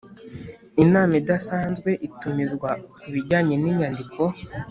inama idasanzwe itumizwa ku bijyanye n inyandiko